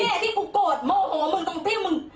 ไอ้ที่กูโกรธโมโหมึงตรงที่มึง